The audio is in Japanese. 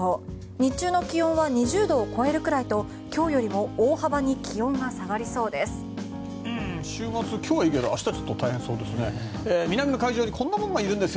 日中の気温は２０度を超えるくらいと今日よりも大幅に気温が下がりそうです。